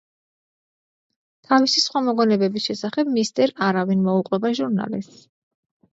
თავისი სხვა მოგონებების შესახებ „მისტერ არავინ“ მოუყვება ჟურნალისტს.